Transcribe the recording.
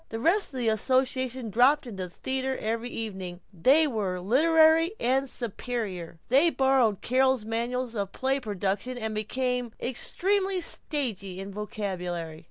The rest of the association dropped into the theater every evening, and were literary and superior. They had borrowed Carol's manuals of play production and had become extremely stagey in vocabulary.